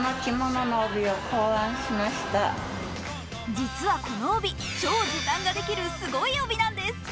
実はこの帯、超時短ができるすごい帯なんです。